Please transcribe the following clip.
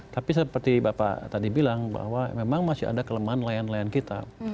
tapi seperti bapak tadi bilang memang masih ada kelemahan layan layan kita